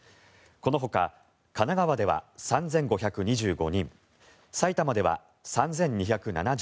このほか、神奈川では３５２５人埼玉では３２７９人